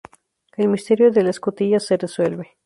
El misterio de la escotilla se resuelve.